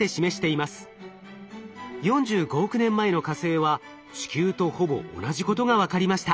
４５億年前の火星は地球とほぼ同じことが分かりました。